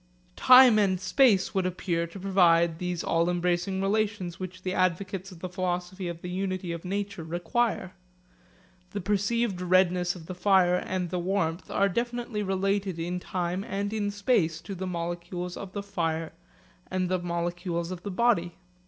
Time and space would appear to provide these all embracing relations which the advocates of the philosophy of the unity of nature require. The perceived redness of the fire and the warmth are definitely related in time and in space to the molecules of the fire and the molecules of the body.